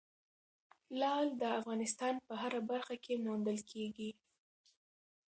لعل د افغانستان په هره برخه کې موندل کېږي.